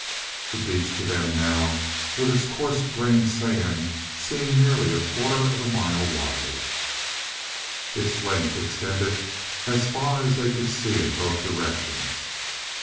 The beach to them now, with its coarse grained sand, seemed nearly a quarter of a mile wide; in length it extended as far as they could see in both directions.